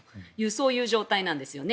そういう状態なんですよね。